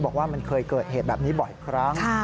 บอกว่ามันเคยเกิดเหตุแบบนี้บ่อยครั้ง